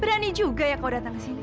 berani juga ya kau datang ke sini